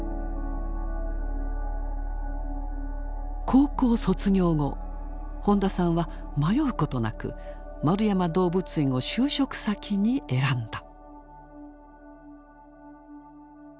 高校卒業後本田さんは迷うことなく円山動物園を就職先に選んだ。